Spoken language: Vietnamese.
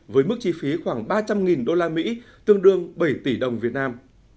với mức chi phí khoảng ba trăm linh usd tương đương bảy tỷ đồng việt nam